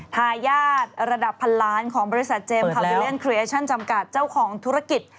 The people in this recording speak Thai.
ทายาทระดับพันล้านของบริษัทเจมสคาบิเลียนครีเอชั่นจำกัดเจ้าของธุรกิจ